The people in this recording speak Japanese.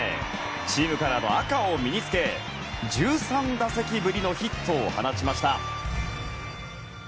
チームカラーの赤を身に着け１３打席ぶりのヒットを放ちました。